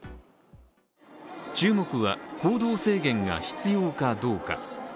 注目は、行動制限が必要かどうか。